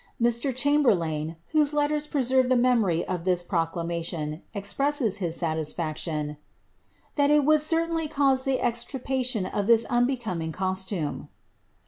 Mr. Chamberia3me, whose letters preserve the memory of this proclamation, expresses his satisfaction, ^ that it would certainly cause the extirpation of this unbecoming cos tume."